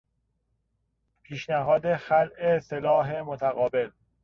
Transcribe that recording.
پیشنهاد خلع سلاح متقابل